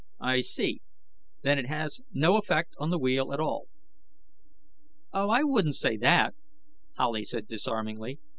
I see. Then it has no effect on the wheel at all?" "Oh, I wouldn't say that," Howley said disarmingly.